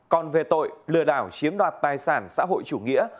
còn về tội lừa đảo chiếm đoạt tài sản xã hội chủ nghĩa